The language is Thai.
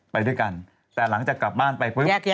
ไปด้วยกันแต่หลังจากกลับบ้านไปปุ๊บ